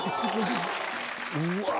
うわ。